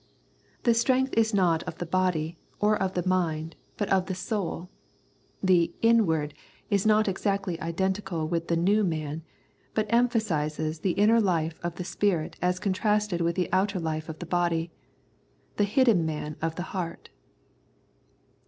The strength is not of the body, or of the mind, but of the souL The " inward " is not exactly identical with the " new " man, but emphasises the inner essential life of the spirit as contrasted with the outer life of the body. " The hidden man of the heart."